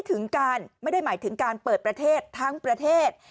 ถึงการไม่ได้หมายถึงการเปิดประเทศทั้งประเทศ